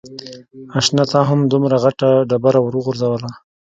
اشنا تا هم دومره غټه ډبره ور و غورځوله.